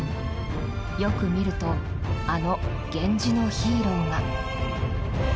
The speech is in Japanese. よく見るとあの源氏のヒーローが。